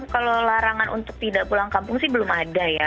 kalau larangan untuk tidak pulang kampung sih belum ada ya